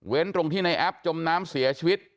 ตรงที่ในแอปจมน้ำเสียชีวิต